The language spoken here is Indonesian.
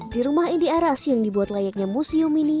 di rumah indi aras yang dibuat layaknya museum ini